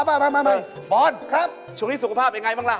อ๋อเอามาบอสครับช่วงนี้สุขภาพเป็นอย่างไรบ้างล่ะ